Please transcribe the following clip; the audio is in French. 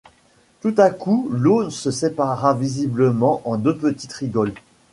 Tout à coup l'eau se sépara visiblement en deux petites rigoles.